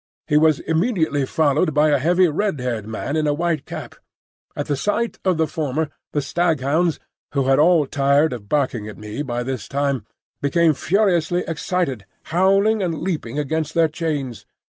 He was immediately followed by a heavy red haired man in a white cap. At the sight of the former the staghounds, who had all tired of barking at me by this time, became furiously excited, howling and leaping against their chains.